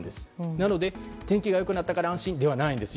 なので、天気が良くなったから安心ではないんです。